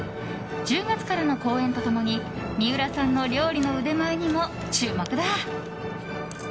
１０月からの公演と共に三浦さんの料理の腕前にも注目だ。